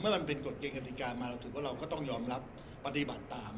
มันเป็นกฎเกณฑิกามาเราถือว่าเราก็ต้องยอมรับปฏิบัติตาม